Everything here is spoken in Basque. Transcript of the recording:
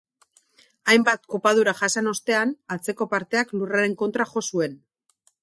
Hainbat kopadura jasan ostean, atzeko parteak lurraren kontra jo zuen.